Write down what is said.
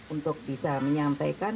untuk bisa menyampaikan